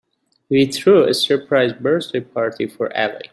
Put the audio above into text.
We threw a surprise birthday party for Ali.